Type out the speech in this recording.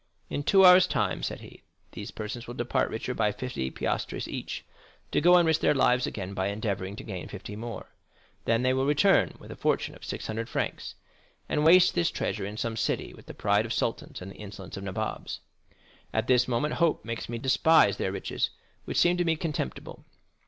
"In two hours' time," said he, "these persons will depart richer by fifty piastres each, to go and risk their lives again by endeavoring to gain fifty more; then they will return with a fortune of six hundred francs, and waste this treasure in some city with the pride of sultans and the insolence of nabobs. At this moment hope makes me despise their riches, which seem to me contemptible.